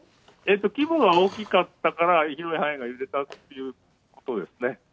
規模が大きかったから広い範囲揺れたということですね。